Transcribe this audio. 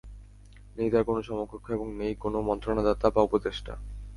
নেই তাঁর কোন সমকক্ষ এবং নেই কোন মন্ত্রণাদাতা বা উপদেষ্টা।